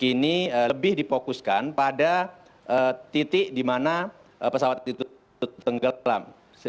kini lebih dipokuskan pada titik di mana pesawat ditutup tenggelam